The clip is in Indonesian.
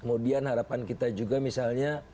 kemudian harapan kita juga misalnya